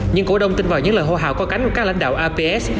nhưng cổ đông tin vào những lời hô hào có cánh của các lãnh đạo aps